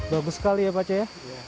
bagus sekali ya pak coy